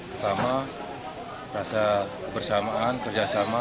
pertama rasa kebersamaan kerjasama